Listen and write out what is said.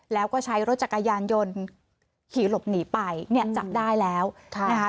แล้วก็ใช้รถจักรยานยนต์ขี่หลบหนีไปเนี่ยจับได้แล้วนะคะ